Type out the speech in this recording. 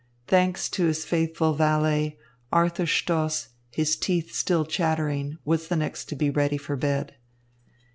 Thanks to his faithful valet, Arthur Stoss, his teeth still chattering, was the next to be ready for bed.